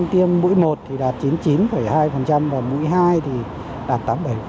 tiêm mũi một thì đạt chín mươi chín hai và mũi hai thì đạt tám mươi bảy